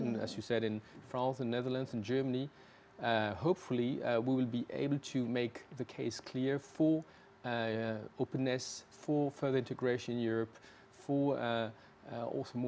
bahwa kita melakukan yang benar untuk mereka untuk anak anak untuk generasi seterusnya